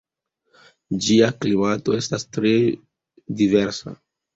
Ĝia klimato estas tre diversa.